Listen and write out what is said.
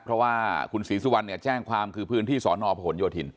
เพราะว่าคุณศรีสุวรรณแจ้งความคือพื้นที่สนพโฑฮลโยธิน